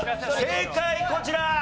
正解こちら！